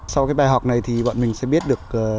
sau cái bài học này thì bọn mình sẽ biết được